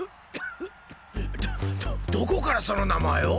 どどこからその名前を！？